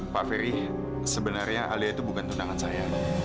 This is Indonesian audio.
pak ferry sebenarnya alia itu bukan tunangan saya